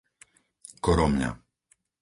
Koromľa